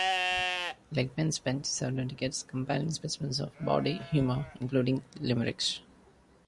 Legman spent several decades compiling specimens of bawdy humor including limericks.